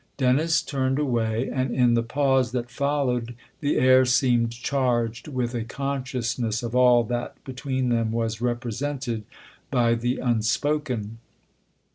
Dennis turned away, and in the pause that followed the air seemed charged with a consciousness of all that between them was repre sented by the unspoken.